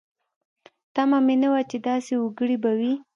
تمه مې نه وه چې داسې وګړي به وي.